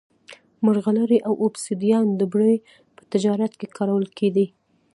مرغلرې او اوبسیدیان ډبرې په تجارت کې کارول کېدې